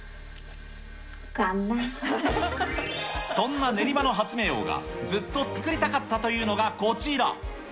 そんな練馬の発明王が、ずっと作りたかったというのがこちら。